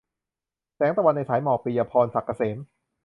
แสงตะวันในสายหมอก - ปิยะพร ศักดิ์เกษม